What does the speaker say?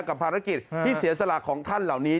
กับภารกิจที่เสียสละของท่านเหล่านี้